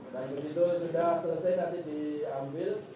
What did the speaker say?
dan itu sudah selesai nanti diambil